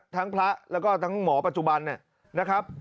พระแล้วก็ทั้งหมอปัจจุบันนะครับ